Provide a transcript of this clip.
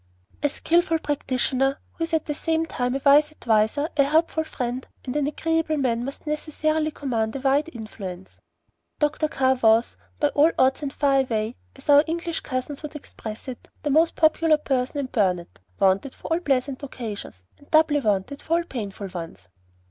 A skilful practitioner, who is at the same time a wise adviser, a helpful friend, and an agreeable man, must necessarily command a wide influence. Dr. Carr was "by all odds and far away," as our English cousins would express it, the most popular person in Burnet, wanted for all pleasant occasions, and doubly wanted for all painful ones.